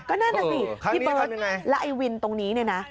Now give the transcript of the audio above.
ก็นั่นน่ะสิพี่เบิร์ตแล้วไอ้วินตรงนี้เนี่ยนะ